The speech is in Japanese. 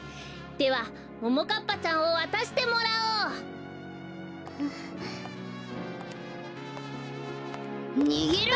ではももかっぱちゃんをわたしてもらおう！にげろ！